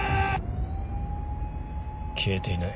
消えていない。